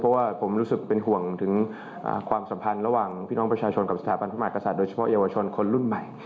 เพราะว่าผมรู้สึกเป็นห่วงถึงความสัมพันธ์ระหว่างพี่น้องประชาชนกับสถาบันพระมหากษัตริย์โดยเฉพาะเยาวชนคนรุ่นใหม่